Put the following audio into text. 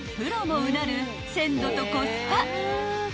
もうなる鮮度とコスパ］